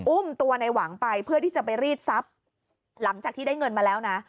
อุ้มตัวในหวังไปเพื่อที่จะไปรีดทรัพย์หลังจากที่ได้เงินมาแล้วนะ